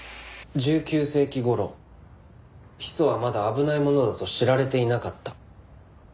１９世紀頃ヒ素はまだ危ないものだと知られていなかった。